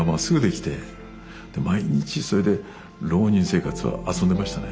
で毎日それで浪人生活は遊んでましたね。